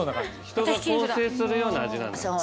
人が更生するような味なんだ。